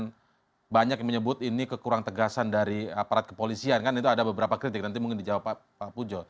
kemudian banyak yang menyebut ini kekurang tegasan dari aparat kepolisian kan itu ada beberapa kritik nanti mungkin dijawab pak pujo